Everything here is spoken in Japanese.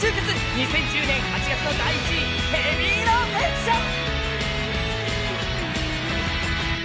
２０１０年８月の第１位、「ヘビーローテーション」！